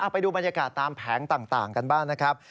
ไปดูบรรยากาศตามแผงต่างกันบ้างนะครับ